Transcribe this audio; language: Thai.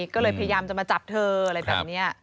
ก็เลยพยายามจะมาจับเธออะไรแบบนี้